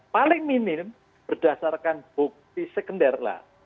paling minim berdasarkan bukti sekender lah